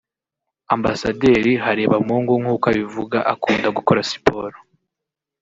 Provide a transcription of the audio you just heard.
Ambasaderi Harebamungu nkuko abivuga akunda gukora siporo